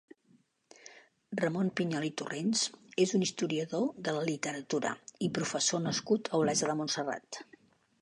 Ramon Pinyol i Torrents és un historiador de la literatura i professor nascut a Olesa de Montserrat.